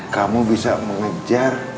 kamu bisa mengejar